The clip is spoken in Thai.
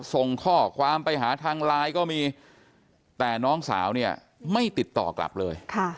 ส่งข้อความไปหาทางไลน์ก็มีแต่น้องสาวเนี่ยไม่ติดต่อกลับเลย